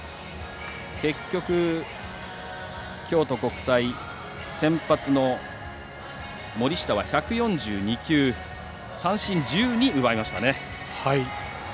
結局、京都国際先発の森下は１４２球、三振１２奪いましたね。